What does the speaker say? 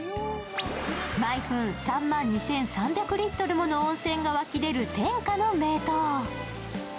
毎分３万２３００リットルもの温泉が湧き出る天下の名湯。